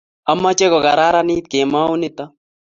ameche kokararanit kemou nito